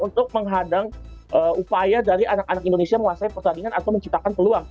untuk menghadang upaya dari anak anak indonesia menguasai pertandingan atau menciptakan peluang